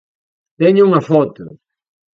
Teño unha foto.